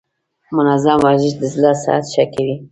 منظم ورزش د زړه صحت ښه کوي.